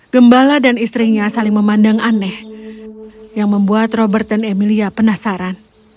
gembala dan istrinya saling memandang aneh yang membuat robert dan emilia penasaran